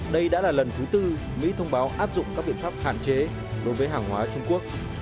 đây đã là lần thứ tư mỹ thông báo áp dụng các biện pháp hạn chế đối với hàng hóa trung quốc